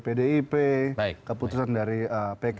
pdip keputusan dari baik